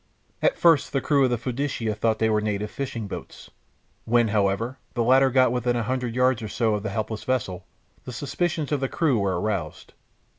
At first the crew of the Fiducia thought they were native fishing boats. When, however, the latter got within a hundred yards or so of the helpless vessel, the suspicions of the crew were aroused.